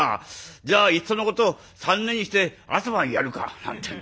じゃあいっそのこと三年にして朝晩やるか」なんて。